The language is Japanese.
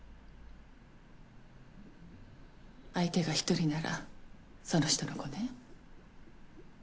相手が１人ならその人の子ね。